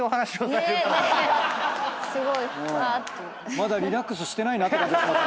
まだリラックスしてないなって感じ。